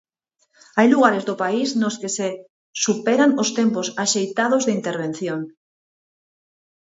Hai lugares do país nos que se superan os tempos axeitados de intervención.